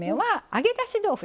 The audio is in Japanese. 揚げだし豆腐。